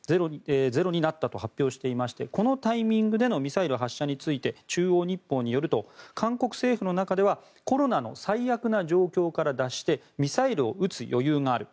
ゼロになったと発表していましてこのタイミングでのミサイル発射について中央日報によると韓国政府の中ではコロナの最悪な状況から脱してミサイルを撃つ余裕がある。